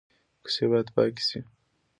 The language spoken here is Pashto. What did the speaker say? کوڅې باید پاکې شي